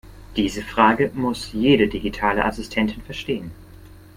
Diese Frage muss jede digitale Assistentin verstehen.